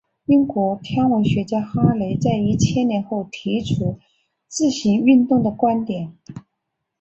英国天文学家哈雷在一千年后提出自行运动的观点。